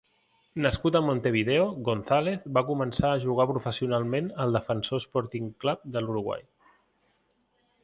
Nascut a Montevideo, González va començar a jugar professionalment al Defensor Sporting Club de l'Uruguai.